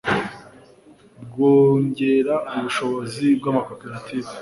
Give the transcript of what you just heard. kwongera ubushobozi bw'amakoperative